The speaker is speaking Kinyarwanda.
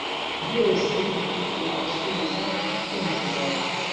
byose wabisubiza umukunzi wawe